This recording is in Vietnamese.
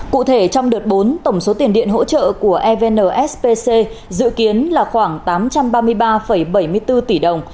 cụ thể trong đợt bốn tổng số tiền điện hỗ trợ của evnspc dự kiến là khoảng tám trăm ba mươi ba bảy mươi bốn tỷ đồng